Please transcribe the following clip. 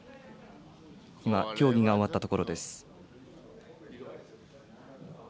今、協議が終わったところです。